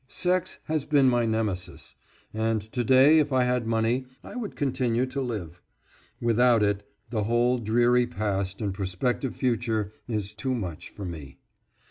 Sex has been my Nemesis, and to day if I had money I would continue to live. Without it, the whole dreary past and prospective future is too much for me.